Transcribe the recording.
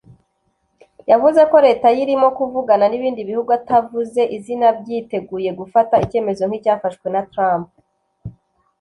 yavuze ko leta ye irimo kuvugana n’ibindi bihugu atavuze izina byiteguye gufata icyemezo nk’icyafashwe na Trump